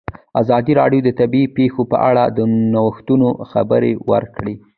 ازادي راډیو د طبیعي پېښې په اړه د نوښتونو خبر ورکړی.